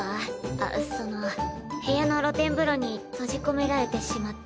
あっその部屋の露天風呂に閉じ込められてしまって。